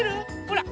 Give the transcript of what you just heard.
ほら。